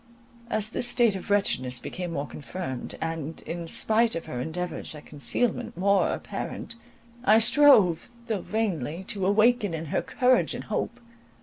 As this state of wretchedness became more confirmed, and, in spite of her endeavours at concealment more apparent, I strove, though vainly, to awaken in her courage and hope.